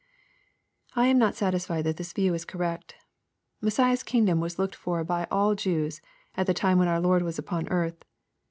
I am not satisfied that this view is correct Messiah's kingdom was looked for by all Jews at the time when our Lord was upon earth.